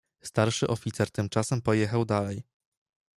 "Starszy oficer tymczasem pojechał dalej."